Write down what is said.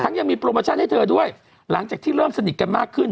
ยังมีโปรโมชั่นให้เธอด้วยหลังจากที่เริ่มสนิทกันมากขึ้น